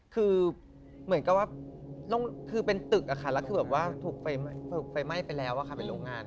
คือเหมือนกับว่าเป็นตึกถูกไฟไหม้ไปแล้วลงงาน